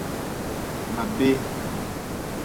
Ma bee.